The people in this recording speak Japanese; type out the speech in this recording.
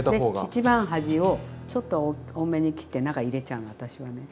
一番端をちょっと多めに切って中入れちゃうの私はね。